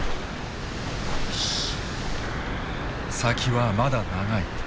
先はまだ長い。